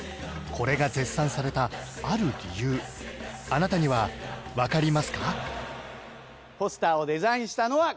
これが絶賛されたある理由あなたにはわかりますか？